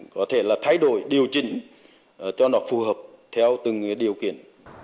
có thể là thay đổi điều chỉnh cho nó phù hợp theo từng điều kiện